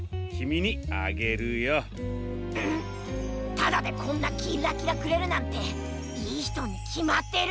ただでこんなキッラキラくれるなんていいひとにきまってる。